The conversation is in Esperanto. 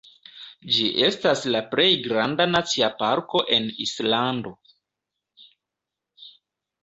Ĝi estas la plej granda nacia parko en Islando.